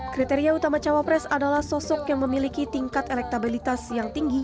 kriteria utama cawapres adalah sosok yang memiliki tingkat elektabilitas yang tinggi